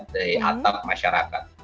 dari atap masyarakat